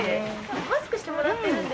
マスクしてもらってるんで。